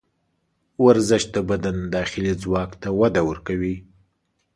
ورزش د بدن داخلي ځواک ته وده ورکوي.